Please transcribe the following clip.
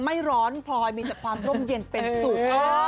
ไม่ร้อนพลอยมีแต่ความร่มเย็นเป็นสุข